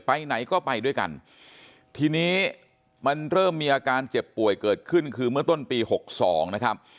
ไปไหนก็ไปด้วยกันทีนี้มันเริ่มมีอาการเจ็บป่วยเกิดขึ้นคือเมื่อต้นปีหกสองนะครับ